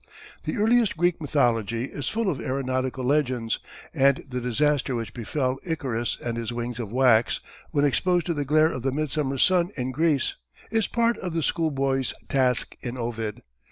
The earliest Greek mythology is full of aeronautical legends, and the disaster which befell Icarus and his wings of wax when exposed to the glare of the midsummer sun in Greece, is part of the schoolboy's task in Ovid.